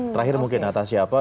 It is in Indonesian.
terakhir mungkin atas siapa